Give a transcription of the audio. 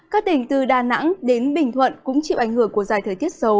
các tỉnh từ đà nẵng đến bình thuận cũng chịu ảnh hưởng của dài thời tiết xấu